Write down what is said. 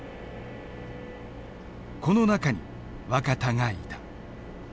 この中に若田がいた。